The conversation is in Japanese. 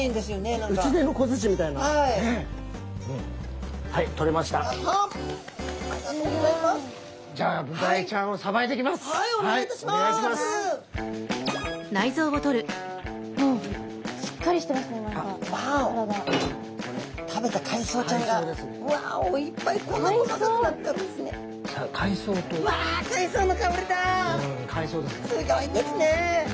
すギョいですね。